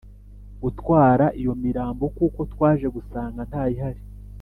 gutwara iyo mirambo kuko twaje gusanga ntayihari.